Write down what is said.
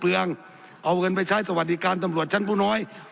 เอาเงินไปใช้สวัสดิการตำรวจชั้นผู้น้อย